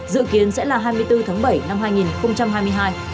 dự kiến sẽ là hai mươi bốn tháng bảy năm hai nghìn hai mươi hai